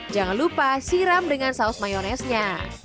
jangan lupa siram dengan saus mayonisnya